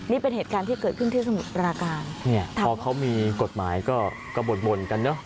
นี่เป็นเหตุการณ์ที่เกิดขึ้นที่สมุทรปราการเนี่ยพอเขามีกฎหมายก็ก็บ่นบ่นกันเนอะ